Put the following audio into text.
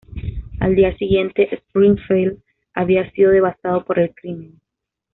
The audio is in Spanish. Al día siguiente, Springfield había sido devastado por el crimen.